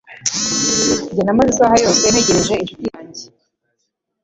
Njye namaze isaha yose ntegereje inshuti yanjye.